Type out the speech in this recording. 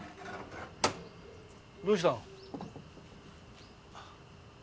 どうしたの？